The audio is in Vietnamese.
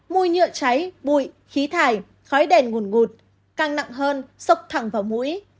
mùi nhựa cháy bụi khí thải khói đèn nguồn ngụt càng nặng hơn sốc thẳng vào mũi